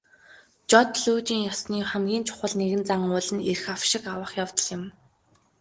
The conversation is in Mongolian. Жод лүйжин ёсны хамгийн чухал нэгэн зан үйл нь эрх авшиг авах явдал юм.